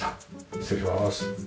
失礼します。